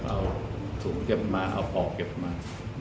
เขาเอาศพเข้ามาเขาศพเก็บมา